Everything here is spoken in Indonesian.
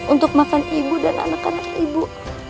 untuk makan ibu dan anak anak ibu